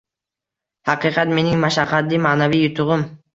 Haqiqat mening mashaqqatli ma`naviy yutug`im